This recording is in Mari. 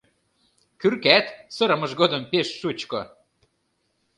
Кӱркат сырымыж годым пеш шучко.